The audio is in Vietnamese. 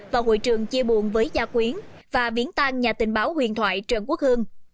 và hội trường chia buồn với gia quyến và viến tăng nhà tình báo huyền thoại trần quốc hương